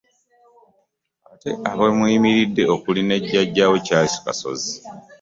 Ate abamweyimiridde okuli ne Jjajja we, Charles Kasozi